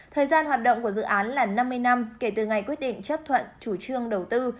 thời gian hoạt động của dự án là năm mươi năm kể từ ngày quyết định chấp thuận chủ trương đầu tư